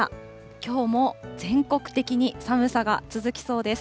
きょうも全国的に寒さが続きそうです。